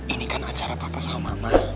ini kan acara papa sama mama